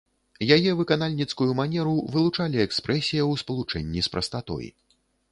Яе выканальніцкую манеру вылучалі экспрэсія ў спалучэнні з прастатой.